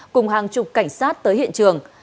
cùng hàng chục cảnh sát tới hiện trường